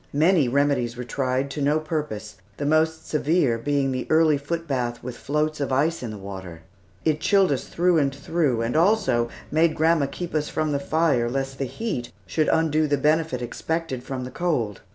Many remedies were tried, to no purpose, the most severe being the early foot bath with floats of ice in the water. It chilled us through and through, and also made grandma keep us from the fire, lest the heat should undo the benefit expected from the cold.